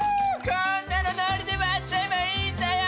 こんなのノリで割っちゃえばいいんだよ